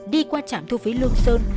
đi qua trạm thu phí lương sơn